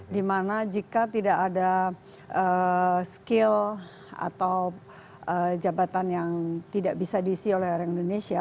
dimana jika tidak ada skill atau jabatan yang tidak bisa diisi oleh orang indonesia